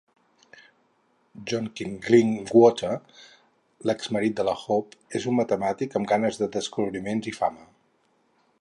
John Clearwater, l'exmarit de la Hope, és un matemàtic amb ganes de descobriments i fama.